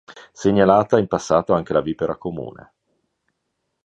Segnalata in passato anche la Vipera comune.